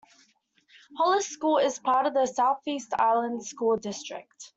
Hollis School is part of the Southeast Island School District.